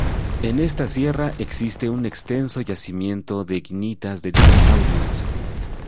En esta sierra existe un extenso yacimiento de icnitas de dinosaurios.